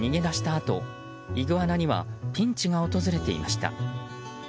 あとイグアナにはピンチが訪れていました。